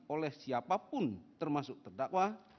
oleh siapapun termasuk terdakwa